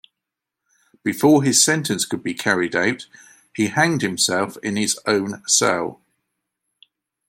Before his sentence could be carried out, he hanged himself in his own cell.